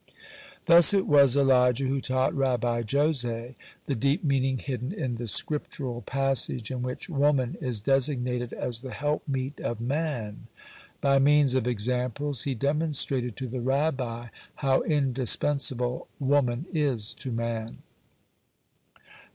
(75) Thus it was Elijah who taught Rabbi Jose the deep meaning hidden in the Scriptural passage in which woman is designated as the helpmeet of man. By means of examples he demonstrated to the Rabbi how indispensable woman is to man.